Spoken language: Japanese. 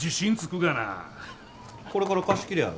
これから貸し切りやろ？